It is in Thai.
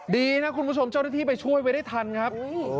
ดีนะคุณผู้ชมเจ้าหน้าที่ไปช่วยไว้ได้ทันครับ